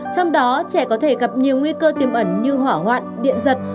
trong đó trẻ có thể gặp nhiều nguy cơ tiềm ẩn như hỏa hoạn điện giật